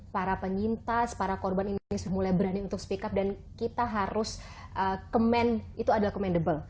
para penyintas para korban indonesia mulai berani untuk speak up dan kita harus commend itu adalah commendable